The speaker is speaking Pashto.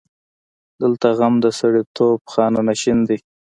دلته غم د سړیتوب خانه نشین دی.